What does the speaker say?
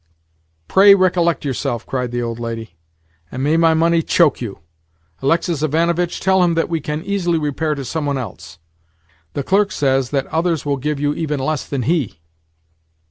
"Pray recollect yourself!" cried the old lady. "And may my money choke you! Alexis Ivanovitch, tell him that we can easily repair to someone else." "The clerk says that others will give you even less than he."